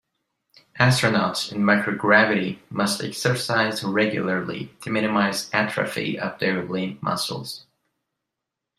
Astronauts in microgravity must exercise regularly to minimize atrophy of their limb muscles.